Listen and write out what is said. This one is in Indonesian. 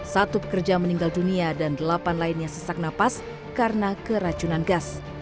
satu pekerja meninggal dunia dan delapan lainnya sesak napas karena keracunan gas